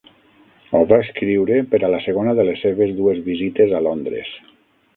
Ho va escriure per a la segona de les seves dues visites a Londres.